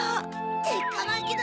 てっかまきだ！